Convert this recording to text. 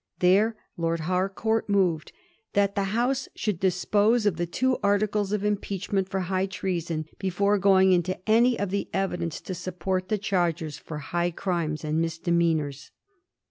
There Lord Harcourt moved that the House should dispose of the two articles of impeachment for high treason, before going into any of the evidence to support the charges for high crimes and misdemeanours.